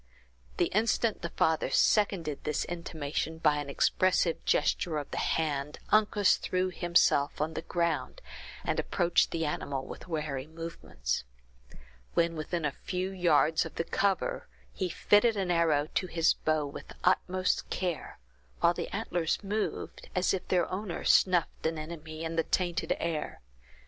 The instant the father seconded this intimation by an expressive gesture of the hand, Uncas threw himself on the ground, and approached the animal with wary movements. When within a few yards of the cover, he fitted an arrow to his bow with the utmost care, while the antlers moved, as if their owner snuffed an enemy in the tainted air.